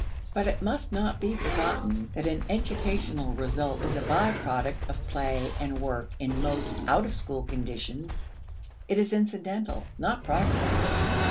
But it must not be forgotten that an educational result is a by product of play and work in most out of school conditions. It is incidental, not primary.